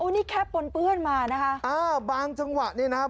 นี่แค่ปนเปื้อนมานะคะอ่าบางจังหวะนี้นะครับ